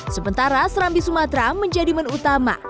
sementara serambi sumatera menjadi menu utama